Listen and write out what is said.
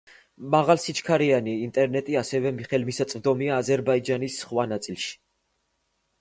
მაღალსიჩქარიანი ინტერნეტი ასევე ხელმისაწვდომია აზერბაიჯანის სხვა ნაწილში.